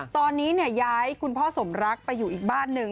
ตอนนี้ย้ายคุณพ่อสมรักไปอยู่อีกบ้านหนึ่ง